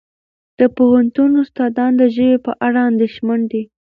د پوهنتون استادان د ژبې په اړه اندېښمن دي.